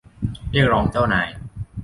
เรียกร้องเจ้านาย